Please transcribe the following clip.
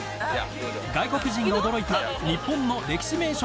外国人が驚いた日本の歴史名所